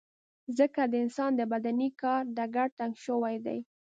ځکه د انسان د بدني کار ډګر تنګ شوی دی.